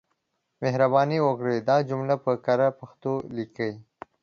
مهرباني وکړئ دا جملې په کره پښتو ليکئ.